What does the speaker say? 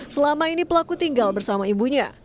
selama ini pelaku tinggal bersama ibunya